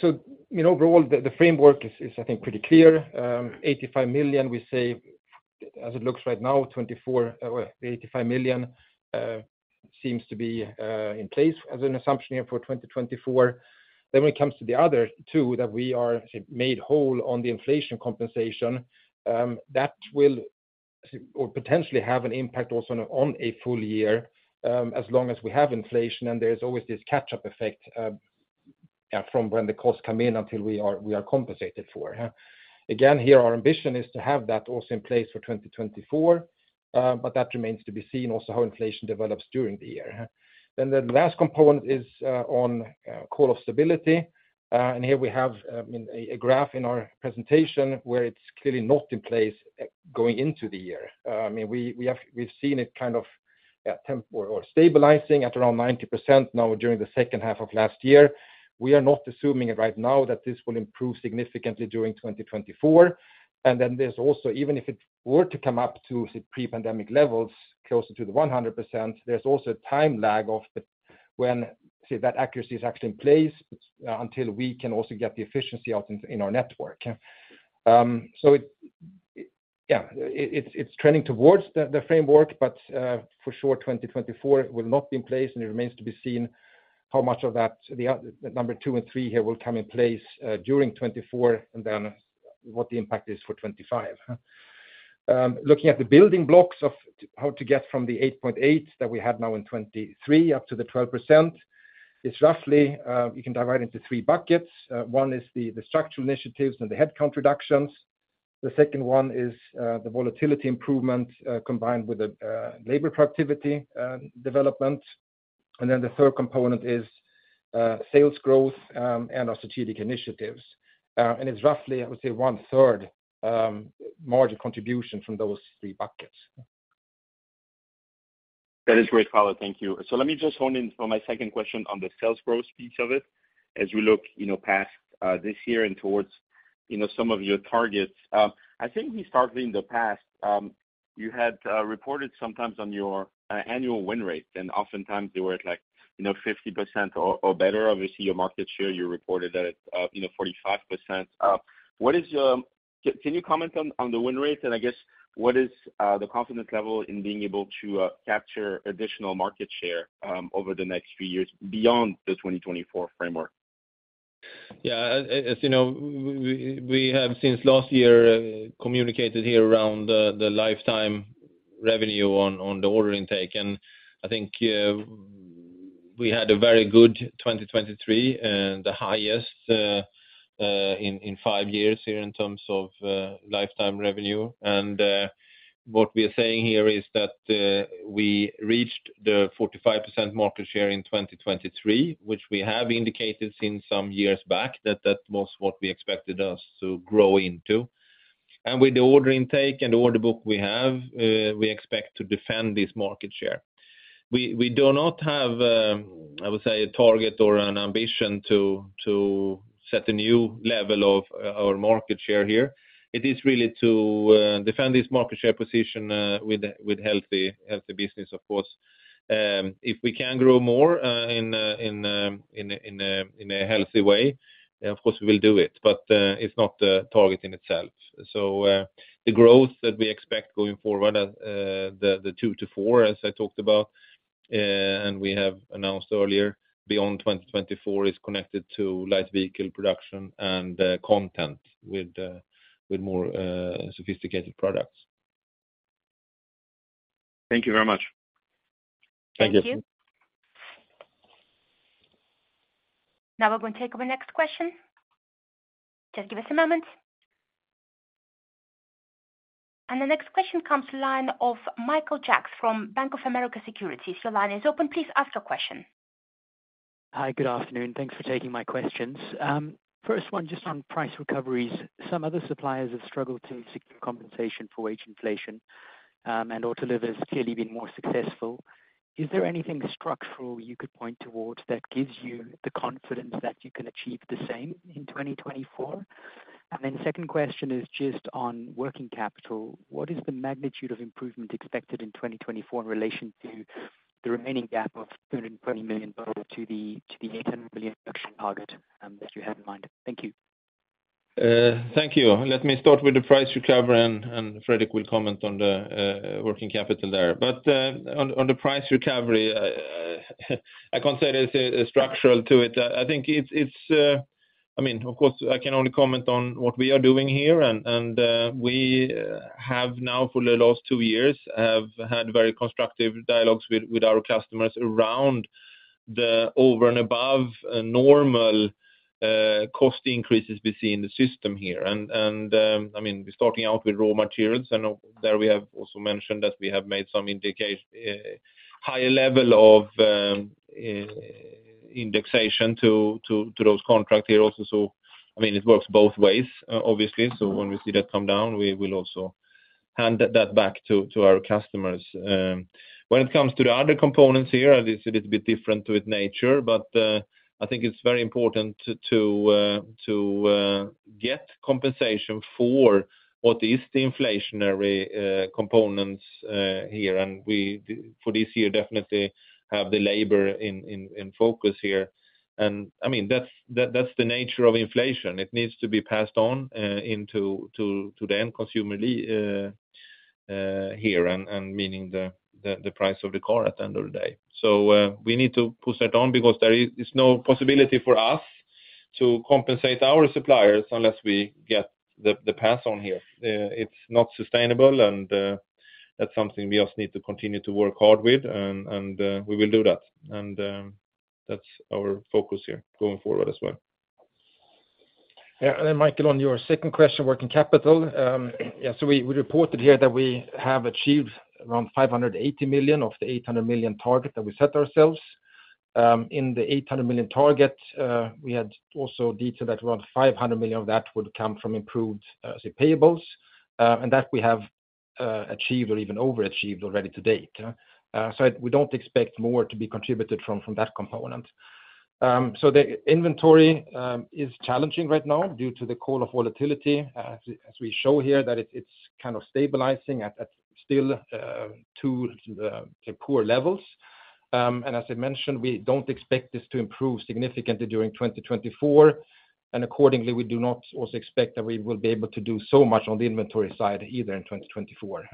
So, you know, overall, the framework is, I think, pretty clear. $85 million, we say, as it looks right now, 2024, well, the $85 million seems to be in place as an assumption here for 2024. Then when it comes to the other two that we are, say, made whole on the inflation compensation, that will, say, or potentially have an impact also on, on a full year, as long as we have inflation and there is always this catch-up effect, yeah, from when the costs come in until we are, we are compensated for. Again, here our ambition is to have that also in place for 2024, but that remains to be seen also how inflation develops during the year. Then the last component is on call-off stability. And here we have, I mean, a graph in our presentation where it's clearly not in place going into the year. I mean, we have, we've seen it kind of, yeah, temporarily or stabilizing at around 90% now during the second half of last year. We are not assuming it right now that this will improve significantly during 2024. And then there's also, even if it were to come up to, say, pre-pandemic levels, closer to the 100%, there's also a time lag of when that accuracy is actually in place, until we can also get the efficiency out in, in our network. So it, yeah, it's trending towards the, the framework, but, for sure, 2024 will not be in place, and it remains to be seen how much of that, the number two and three here will come in place, during 2024 and then what the impact is for 2025. Looking at the building blocks of how to get from the 8.8 that we had now in 2023 up to the 12% is roughly, you can divide into three buckets. One is the, the structural initiatives and the headcount reductions. The second one is, the volatility improvement, combined with the, labor productivity, development. And then the third component is, sales growth, and our strategic initiatives. And it's roughly, I would say, one-third, margin contribution from those three buckets. That is great color, thank you. So let me just hone in for my second question on the sales growth piece of it. As we look, you know, past, this year and towards, you know, some of your targets, I think we started in the past, you had, reported sometimes on your, annual win rate, and oftentimes they were at like, you know, 50% or, or better. Obviously, your market share, you reported that it's, you know, 45%. What is your, can you comment on, on the win rate? And I guess what is, the confidence level in being able to, capture additional market share, over the next few years beyond the 2024 framework? Yeah, as you know, we have since last year, communicated here around the lifetime revenue on, on the order intake. And I think, we had a very good 2023 and the highest, in five years here in terms of, lifetime revenue. And, what we are saying here is that, we reached the 45% market share in 2023, which we have indicated since some years back that that was what we expected us to grow into. And with the order intake and the order book we have, we expect to defend this market share. We do not have, I would say, a target or an ambition to set a new level of our market share here. It is really to defend this market share position with healthy business, of course. If we can grow more in a healthy way, then of course we will do it. But it's not the target in itself. So, the growth that we expect going forward, the 2%-4%, as I talked about, and we have announced earlier, beyond 2024 is connected to light vehicle production and content with more sophisticated products. Thank you very much. Thank you. Thank you. Now we're going to take our next question. Just give us a moment. And the next question comes to the line of Michael Jacks from Bank of America Securities. Your line is open, please ask your question. Hi, good afternoon. Thanks for taking my questions. First one, just on price recoveries, some other suppliers have struggled to secure compensation for wage inflation, and Autoliv has clearly been more successful. Is there anything structural you could point towards that gives you the confidence that you can achieve the same in 2024? And then second question is just on working capital. What is the magnitude of improvement expected in 2024 in relation to the remaining gap of $220 million to the $800 million reduction target, that you have in mind? Thank you. Thank you. Let me start with the price recovery and Fredrik will comment on the working capital there. But on the price recovery, I can't say there's a structural to it. I think it's, I mean, of course, I can only comment on what we are doing here. We have now for the last two years had very constructive dialogues with our customers around the over and above normal cost increases we see in the system here. I mean, starting out with raw materials, and there we have also mentioned that we have made some indication higher level of indexation to those contracts here also. So, I mean, it works both ways, obviously. So when we see that come down, we will also hand that back to our customers. When it comes to the other components here, it's a little bit different to its nature, but I think it's very important to get compensation for what is the inflationary components here. And we for this year definitely have the labor in focus here. And I mean, that's the nature of inflation. It needs to be passed on into to the end consumer here, and meaning the price of the car at the end of the day. So, we need to push that on because there is no possibility for us to compensate our suppliers unless we get the pass on here. It's not sustainable, and that's something we just need to continue to work hard with, and we will do that. And that's our focus here going forward as well. Yeah, and then Michael, on your second question, working capital, yeah, so we reported here that we have achieved around $580 million of the $800 million target that we set ourselves. In the $800 million target, we had also detailed that around $500 million of that would come from improved, say, payables, and that we have achieved or even overachieved already to date. We don't expect more to be contributed from that component. So the inventory is challenging right now due to the call-off volatility, as we show here that it's kind of stabilizing at still to, say, poor levels. And as I mentioned, we don't expect this to improve significantly during 2024. Accordingly, we do not also expect that we will be able to do so much on the inventory side either in 2024.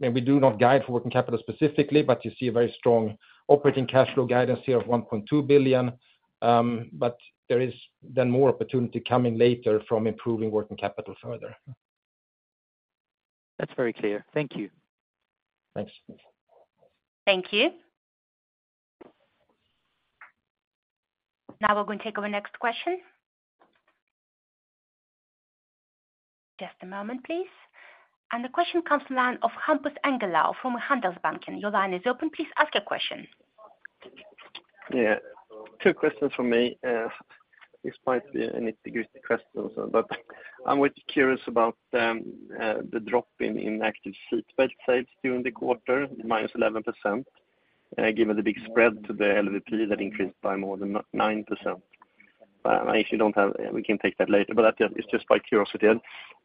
We do not guide for working capital specifically, but you see a very strong operating cash flow guidance here of $1.2 billion. There is then more opportunity coming later from improving working capital further. That's very clear. Thank you. Thanks. Thank you. Now we're going to take our next question. Just a moment, please. The question comes to the line of Hampus Engellau from Handelsbanken. Your line is open. Please ask your question. Yeah, two questions from me, despite being a little bit goofy questions, but I'm quite curious about the drop in active seatbelt sales during the quarter, -11%, given the big spread to the LVP that increased by more than 9%. I actually don't have we can take that later, but it's just by curiosity.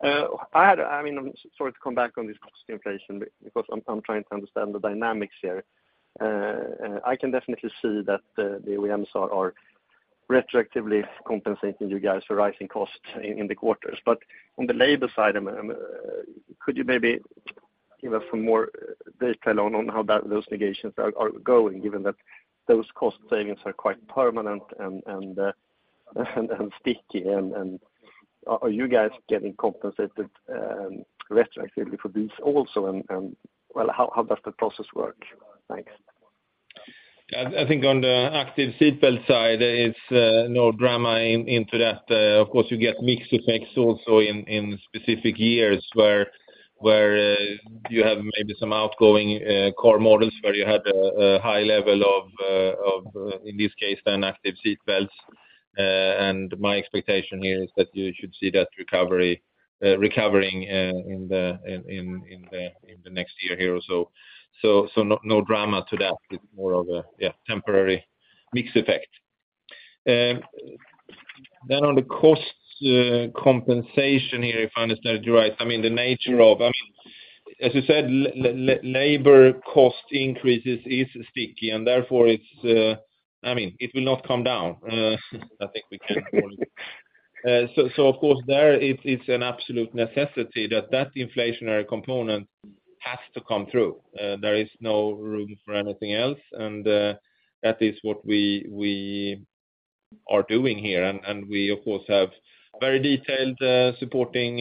I had, I mean, I'm sorry to come back on this cost inflation because I'm trying to understand the dynamics here. I can definitely see that the OEMs are retroactively compensating you guys for rising costs in the quarters. But on the labor side, could you maybe give us some more detail on how those negotiations are going, given that those cost savings are quite permanent and sticky? And are you guys getting compensated retroactively for these also? And well, how does the process work? Thanks. Yeah, I think on the active seatbelt side, it's no drama into that. Of course, you get mixed effects also in specific years where you have maybe some outgoing car models where you had a high level of, in this case, active seatbelts. And my expectation here is that you should see that recovery in the next year here or so. So no drama to that. It's more of a yeah, temporary mixed effect. Then on the cost compensation here, if I understand it right, I mean, the nature of, I mean, as you said, labor cost increases is sticky and therefore it's, I mean, it will not come down. I think we can call it. So, of course there it's an absolute necessity that that inflationary component has to come through. There is no room for anything else. And that is what we are doing here. And we, of course, have very detailed supporting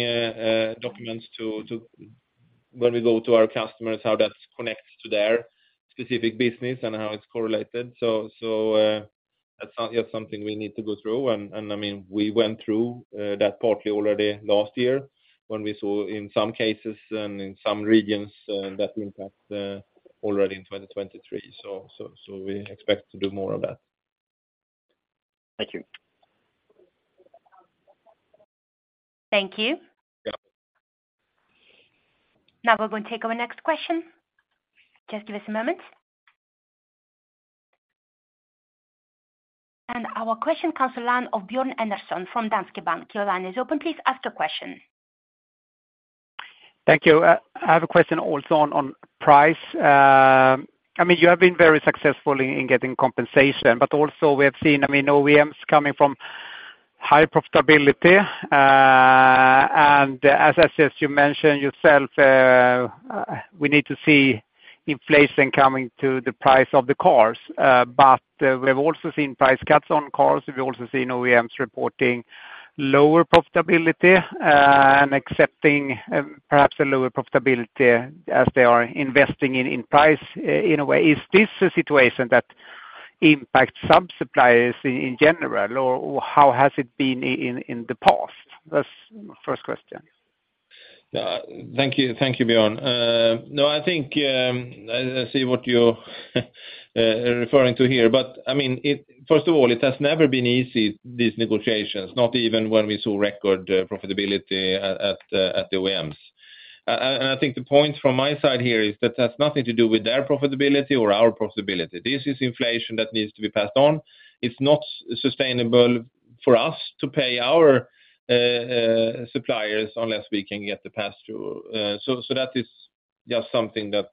documents to when we go to our customers, how that connects to their specific business and how it's correlated. So that's just something we need to go through. And I mean, we went through that partly already last year when we saw in some cases and in some regions that impact already in 2023. So we expect to do more of that. Thank you. Thank you. Yeah. Now we're going to take our next question. Just give us a moment. And our next question from Björn Enarson from Danske Bank. Your line is open, please ask your question. Thank you. I have a question also on price. I mean, you have been very successful in getting compensation, but also we have seen, I mean, OEMs coming from high profitability. As you mentioned yourself, we need to see inflation coming to the price of the cars. We have also seen price cuts on cars. We've also seen OEMs reporting lower profitability, and accepting perhaps a lower profitability as they are investing in price in a way. Is this a situation that impacts subsuppliers in general or how has it been in the past? That's the first question. Yeah, thank you. Thank you, Björn. No, I think I see what you're referring to here, but I mean, it first of all, it has never been easy, these negotiations, not even when we saw record profitability at the OEMs. And I think the point from my side here is that has nothing to do with their profitability or our profitability. This is inflation that needs to be passed on. It's not sustainable for us to pay our suppliers unless we can get the pass through. So that is just something that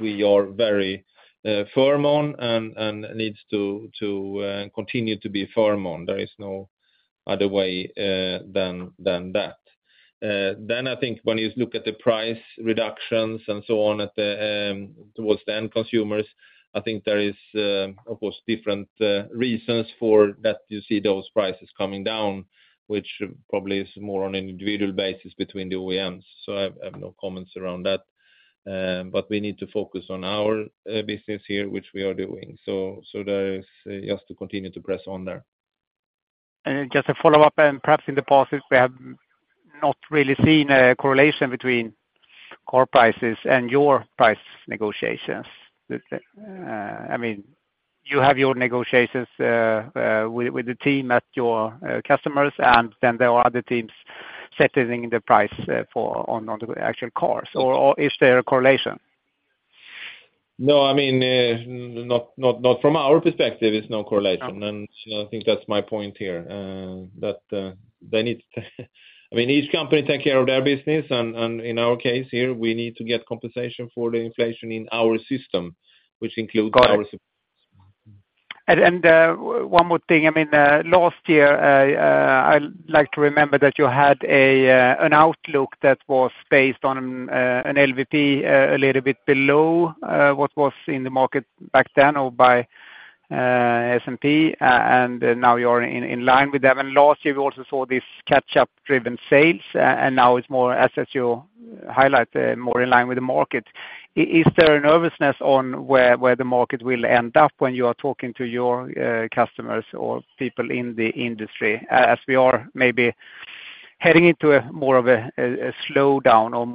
we are very firm on and needs to continue to be firm on. There is no other way than that. Then I think when you look at the price reductions and so on at the, towards the end consumers, I think there is, of course, different, reasons for that you see those prices coming down, which probably is more on an individual basis between the OEMs. So I have no comments around that. But we need to focus on our, business here, which we are doing. So, so there is just to continue to press on there. And just to follow-up and perhaps in the past, we have not really seen a correlation between car prices and your price negotiations. I mean, you have your negotiations, with, with the team at your, customers, and then there are other teams setting the price for on, on the actual cars. Or is there a correlation? No, I mean, not, not, not from our perspective, it's no correlation. And I think that's my point here, that they need to, I mean, each company take care of their business. And in our case here, we need to get compensation for the inflation in our system, which includes our suppliers. And one more thing. I mean, last year, I'd like to remember that you had an outlook that was based on an LVP a little bit below what was in the market back then or by S&P. And now you are in line with that. And last year, we also saw this catch-up driven sales, and now it's more, as you highlight, more in line with the market. Is there a nervousness on where the market will end up when you are talking to your customers or people in the industry, as we are maybe heading into more of a slowdown or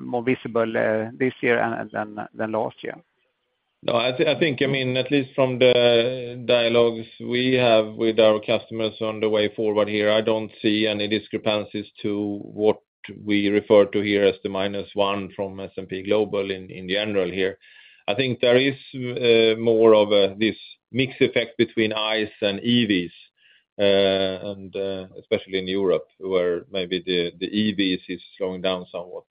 more visible this year and than last year? No, I think, I mean, at least from the dialogues we have with our customers on the way forward here, I don't see any discrepancies to what we refer to here as the minus one from S&P Global in general here. I think there is more of a mixed effect between ICE and EVs, and especially in Europe, where maybe the EVs is slowing down somewhat.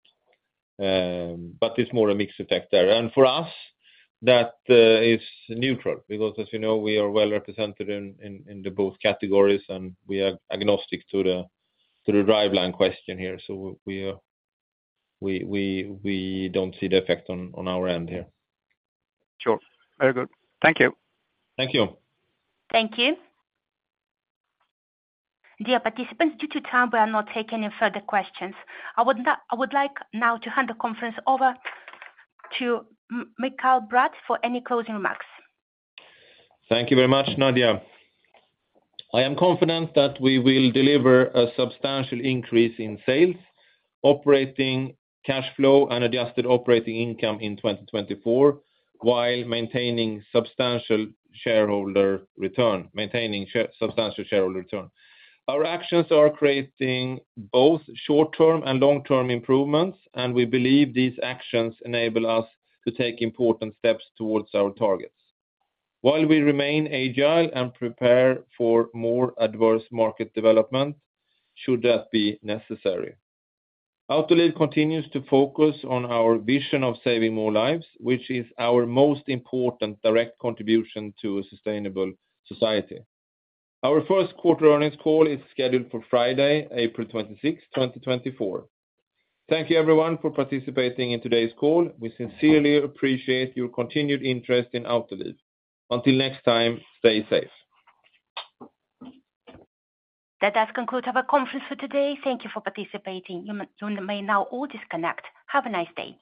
But it's more a mixed effect there. For us, that is neutral because, as you know, we are well represented in both categories and we are agnostic to the driveline question here. So we don't see the effect on our end here. Sure. Very good. Thank you. Thank you. Thank you. Dear participants, due to time, we are not taking any further questions. I would now like to hand the conference over to Mikael Bratt for any closing remarks. Thank you very much, Nadia. I am confident that we will deliver a substantial increase in sales, operating cash flow, and adjusted operating income in 2024 while maintaining substantial shareholder return, maintaining substantial shareholder return. Our actions are creating both short-term and long-term improvements, and we believe these actions enable us to take important steps towards our targets. While we remain agile and prepare for more adverse market development, should that be necessary. Autoliv continues to focus on our vision of saving more lives, which is our most important direct contribution to a sustainable society. Our Q1 earnings call is scheduled for Friday, 26 April 2024. Thank you, everyone, for participating in today's call. We sincerely appreciate your continued interest in Autoliv. Until next time, stay safe. That does conclude our conference for today. Thank you for participating. You may now all disconnect. Have a nice day.